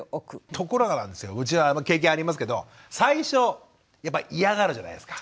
ところがなんですようちは経験ありますけど最初やっぱ嫌がるじゃないですか。